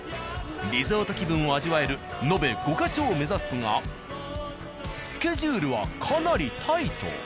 リゾート気分を味わえる延べ５か所を目指すがスケジュールはかなりタイト。